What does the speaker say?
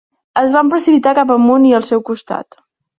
Es van precipitar cap amunt i al seu costat.